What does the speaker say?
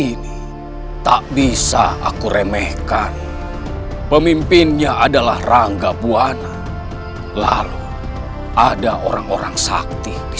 ini tak bisa aku remehkan pemimpinnya adalah rangga buana lalu ada orang orang sakti